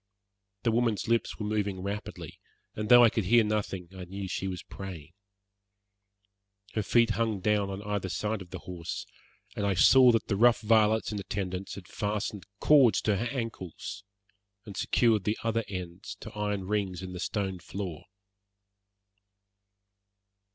The woman's lips were moving rapidly, and though I could hear nothing I knew that she was praying. Her feet hung down on either side of the horse, and I saw that the rough varlets in attendance had fastened cords to her ankles and secured the other ends to iron rings in the stone floor.